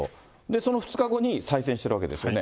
その２日後に再選してるわけですよね。